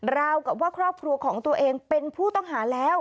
ราวกับว่าครอบครัวของตัวเองเป็นผู้ต้องหาแล้ว